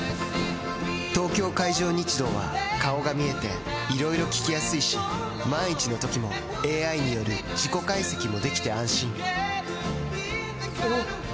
東京海上日動は顔が見えていろいろ聞きやすいし万一のときもＡＩによる事故解析もできて安心おぉ！